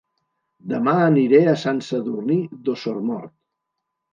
Dema aniré a Sant Sadurní d'Osormort